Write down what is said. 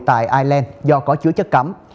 tại ireland do có chứa chất cắm